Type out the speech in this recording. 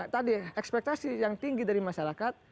tadi ekspektasi yang tinggi dari masyarakat